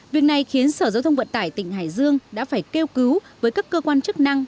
việc này khiến sở giao thông vận tải tỉnh hải dương đã phải kêu cứu với các cơ quan chức năng